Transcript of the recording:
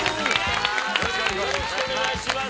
よろしくお願いします。